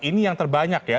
ini yang terbanyak ya